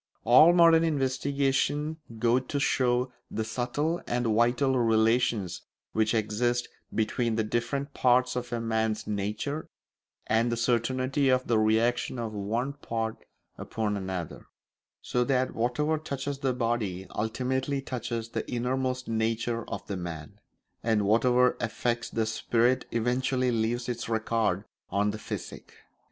All modern investigation goes to show the subtle and vital relations which exist between the different parts of a man's nature, and the certainty of the reaction of one part upon another; so that whatever touches the body ultimately touches the innermost nature of the man, and whatever affects the spirit eventually leaves its record on the physique.